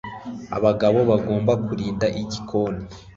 Abagabo bagomba kwirinda igikoni.